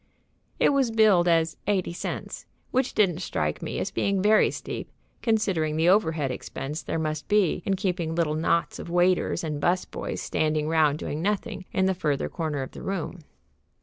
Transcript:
It was billed as "90 (.80)," which didn't strike me as being very steep, considering the overhead expense there must be in keeping little knots of waiters and 'bus boys standing round doing nothing in the further corner of the room.